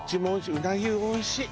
うなぎおいしい。